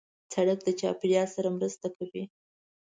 سړک د چاپېریال سره مرسته کوي.